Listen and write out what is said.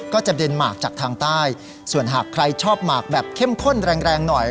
ก็จะเดนหมากจากทางใต้ส่วนหากใครชอบหมากแบบเข้มข้นแรงแรงหน่อย